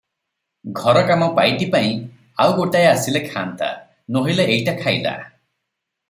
ଘର କାମ ପାଇଟିପାଇଁ ଆଉ ଗୋଟାଏ ଆସିଲେ ଖାଆନ୍ତା, ନୋହିଲେ ଏଇଟା ଖାଇଲା ।